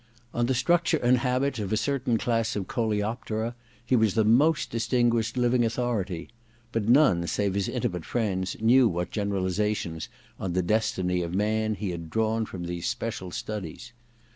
On the structure and habits of a certain class of coleoptera he was the most distinguished living authority ; but none save his intimate friends knew what generalizations on the destiny of man he had drawn from these special studies.